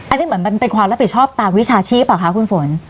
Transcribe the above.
อันนี้เหมือนมันเป็นความรับผิดชอบตามวิชาชีพเหรอคะคุณฝน